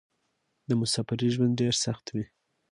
د مسافرۍ ژوند ډېر سخت وې.